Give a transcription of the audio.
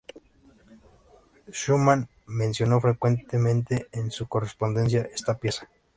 Schumann mencionó frecuentemente en su correspondencia esta pieza.